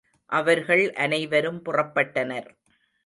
அவர்கள் அனைவரும் புறப்பட்டனர்.